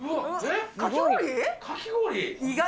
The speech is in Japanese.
かき氷？